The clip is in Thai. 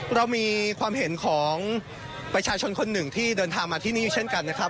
เรามีความเห็นของประชาชนคนหนึ่งที่เดินทางมาที่นี่อยู่เช่นกันนะครับ